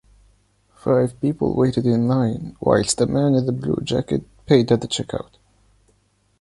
Five people waited in line whilst the man in the blue jacket paid at the checkout.